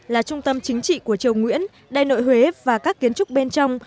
là trung tâm chính trị của triều nguyễn đại nội huế và các kiến trúc bên trong